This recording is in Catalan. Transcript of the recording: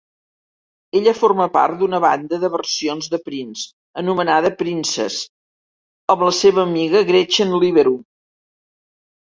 Ella forma part d'una banda de versions de Prince anomenada Princess amb la seva amiga Gretchen Lieberum.